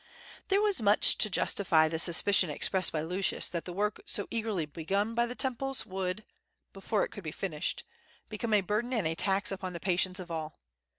There was much to justify the suspicion expressed by Lucius that the work so eagerly begun by the Temples would, before it could be finished, become a burden and a tax upon the patience of all.